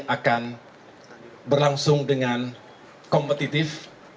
akan berlangsung dengan kompetitif